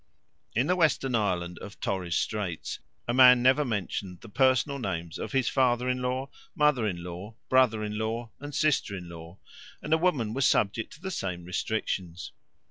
In the western islands of Torres Straits a man never mentioned the personal names of his father in law, mother in law, brother in law, and sister in law; and a woman was subject to the same restrictions.